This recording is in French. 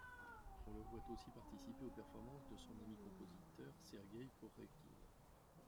On le voit aussi participer aux performances de son ami compositeur Sergueï Kourekhine.